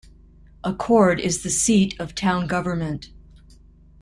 Accord is the seat of town government.